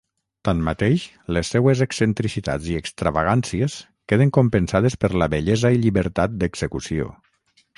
Tanmateix, les seues excentricitats i extravagàncies queden compensades per la bellesa i llibertat d'execució.